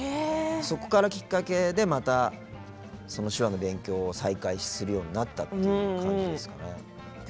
そこからきっかけでまた手話の勉強を再開するようになったという感じですかね。